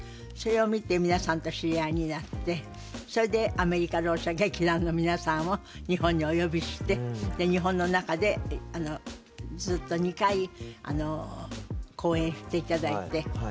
それを見て皆さんと知り合いになってそれでアメリカろう者劇団の皆さんを日本にお呼びして日本の中でずっと２回公演していただいて。